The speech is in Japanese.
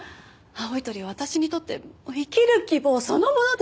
青い鳥は私にとって生きる希望そのものです！